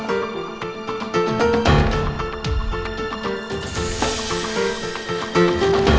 aku harus cari dia